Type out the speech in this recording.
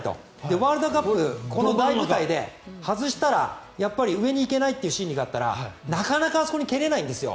ワールドカップこの大舞台で外したら上に行けないという心理があったらなかなかあそこに蹴れないんですよ。